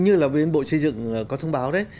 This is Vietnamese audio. như là bộ chế dựng có thông báo đấy